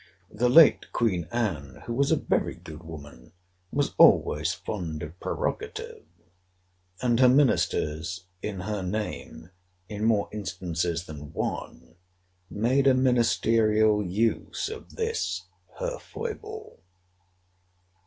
The late Queen Anne, who was a very good woman, was always fond of prerogative. And her ministers, in her name, in more instances than one, made a ministerial use of this her foible.